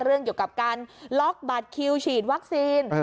เรื่องเกี่ยวกับการล็อกบัตรคิวฉีดวัคซีน